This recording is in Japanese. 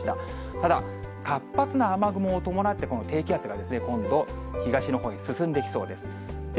ただ、活発な雨雲を伴って、低気圧が今度、東のほうへ進んでいきそうです。